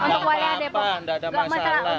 untuk wilayah depok nggak masalah untuk masyarakat